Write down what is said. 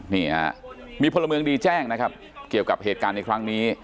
นี่ฮะมีพลเมืองดีแจ้งนะครับเกี่ยวกับเหตุการณ์ในครั้งนี้